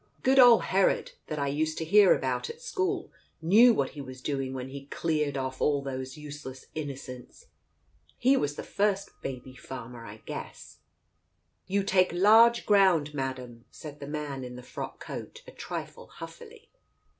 Good old Herod, that I used to hear about at school, knew what he was doing when he cleared off all those useless Innocents ! He was the first baby farmer, I guess." "You take large ground, Madam," said the man in the frock coat, a trifle huffily.